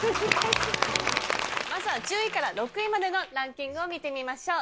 まずは１０位から６位までのランキングを見てみましょう。